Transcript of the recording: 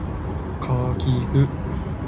This Road for this section is Carcar–Barili Road.